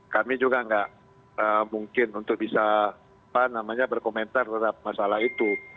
kami juga nggak mungkin untuk bisa berkomentar terhadap masalah itu